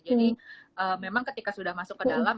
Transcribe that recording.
jadi memang ketika sudah masuk ke dalam